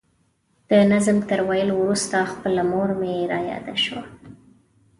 د نظم تر ویلو وروسته خپله مور مې را یاده شوه.